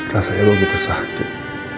rasanya aku begitu sakit